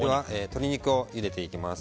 鶏肉を入れていきます。